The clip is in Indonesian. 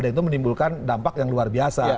dan itu menimbulkan dampak yang luar biasa